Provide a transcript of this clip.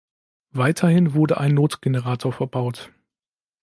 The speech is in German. Weiterhin wurde ein Notgenerator verbaut.